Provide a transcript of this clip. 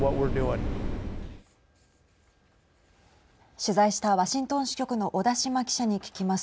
取材したワシントン支局の小田島記者に聞きます。